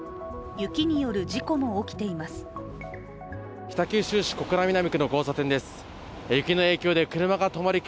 雪による事故も起きています。